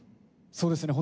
そうですね